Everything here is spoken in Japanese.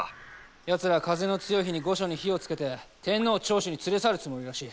やつら風の強い日に御所に火をつけて天皇を長州に連れ去るつもりらしい。